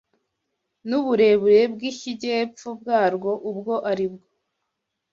n’uburebure bw’ikijyepfo bwarwo ubwo ari bwo